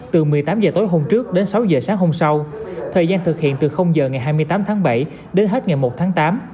từ một mươi tám h tối hôm trước đến sáu h sáng hôm sau thời gian thực hiện từ giờ ngày hai mươi tám tháng bảy đến hết ngày một tháng tám